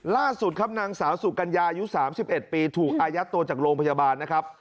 ล่าสุดครับนางสาวสุกัญญาอายุ๓๑ปีถูกอายัดตัวจากโรงพยาบาลนะครับ